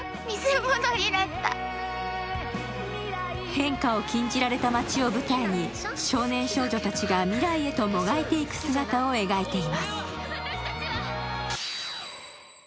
変化を禁じられた町を舞台に、少年少女たちが未来へともがいていく姿を描いています。